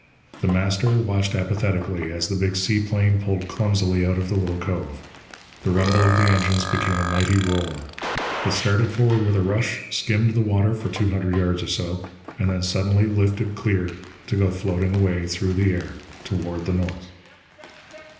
The Master watched apathetically as the big seaplane pulled clumsily out of the little cove. The rumble of the engines became a mighty roar. It started forward with a rush, skimmed the water for two hundred yards or so, and suddenly lifted clear to go floating away through the air toward the north.